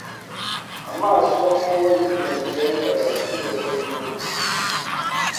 amasomo y’ingenzi yari aya: Amategeko y’Imana